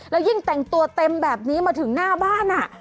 แล้วยิ่งแต่งตัวเต็มแบบนี้มาถึงหน้าบ้าน